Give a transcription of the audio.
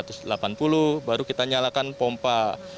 min satu delapan puluh baru kita nyalakan pompa satu